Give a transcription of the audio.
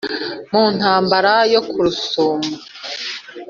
mu ntambara yo ku rusumo